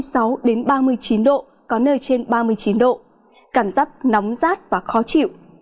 trung du và đồng bằng có mưa to đến ba mươi chín độ có nơi trên ba mươi chín độ cảm giác nóng rát và khó chịu